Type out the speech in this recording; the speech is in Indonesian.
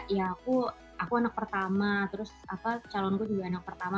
ya aku anak pertama terus calonku juga anak pertama